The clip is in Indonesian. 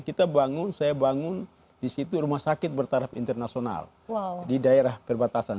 kita bangun saya bangun di situ rumah sakit bertaraf internasional di daerah perbatasan